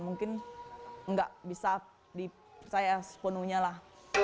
mungkin nggak bisa dipercaya sepenuhnya lah